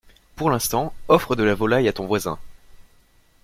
Pour l'instant, offre de la volaille à ton voisin.